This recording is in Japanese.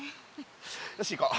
よし行こう。